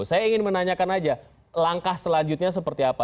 saya ingin menanyakan aja langkah selanjutnya seperti apa